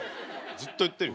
ずっと言ってるよ。